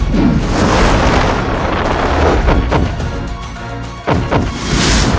terima kasihopic dengan segala kejadilan dan protokol yang berbagai tanggapan the ways of chiave